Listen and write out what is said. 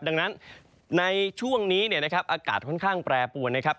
ดังนั้นในช่วงนี้เนี่ยนะครับอากาศค่อนข้างแปรปวนนะครับ